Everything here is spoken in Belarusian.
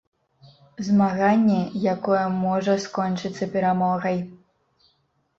Змаганне, якое можа скончыцца перамогай!